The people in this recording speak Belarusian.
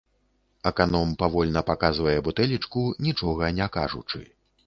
Аканом павольна паказвае бутэлечку, нічога не кажучы.